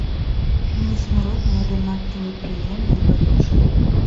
Не смяротнай, але надта непрыемнай і балючай.